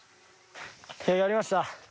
やりました。